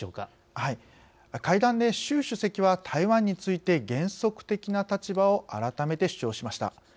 はい、会談で習主席は台湾について原則的な立場を改めて主張しました。